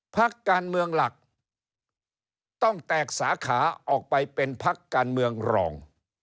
พักการเมืองหลักต้องแตกสาขาออกไปเป็นพักการเมืองรอง